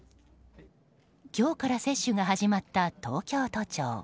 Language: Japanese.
今日から接種が始まった東京都庁。